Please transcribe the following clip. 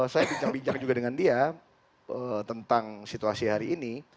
saya bincang bincang juga dengan dia tentang situasi hari ini